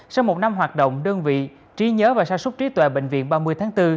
sau một năm hoạt động đơn vị trí nhớ và sản xuất trí tuệ bệnh viện ba mươi tháng bốn